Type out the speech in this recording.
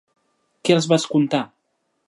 Què els va contar?